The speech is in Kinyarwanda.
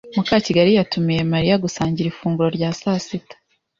Mukakigali yatumiye Mariya gusangira ifunguro rya sasita.